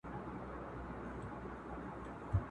د بازانو د حملو کیسې کېدلې.!